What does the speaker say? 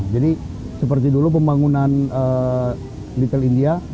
jadi seperti dulu pembangunan little india